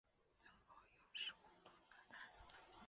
能够用时空图表达流水线